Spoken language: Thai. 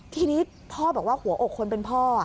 ทีนี้พ่อบอกว่าหัวอกคนเป็นพ่อ